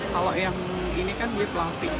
kalau yang ini kan dia fluffy